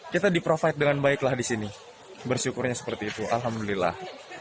kita di provide dengan baiklah di sini bersyukurnya seperti itu alhamdulillah